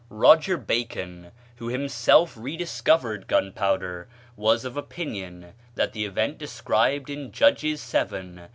Roger Bacon, who himself rediscovered gunpowder, was of opinion that the event described in Judges vii.